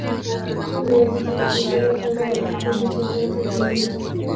Tume ya Jiji ilifanya kazi kwa kipindi cha miaka minne